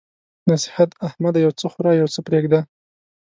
نصيحت: احمده! یو څه خوره او يو څه پرېږده.